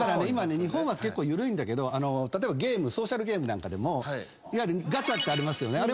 今ね日本は結構緩いんだけど例えばソーシャルゲームなんかでもガチャってありますよね。